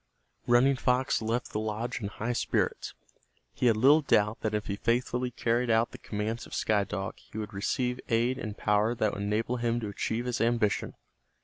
Running Fox left the lodge in high spirits. He had little doubt that if he faithfully carried out the commands of Sky Dog he would receive aid and power that would enable him to achieve his ambition.